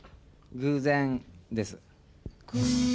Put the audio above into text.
偶然です。